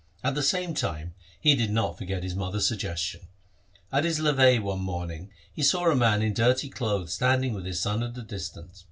At the same time he did not forget his mother's suggestion. At his levee one morning he saw a man in dirty clothes standing with his son at a distance.